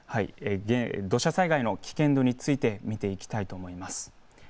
土砂災害の危険度について見ていきたいと思います。